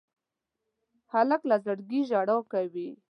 هلک له زړګي ژړا کوي.